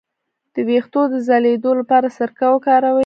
د ویښتو د ځلیدو لپاره سرکه وکاروئ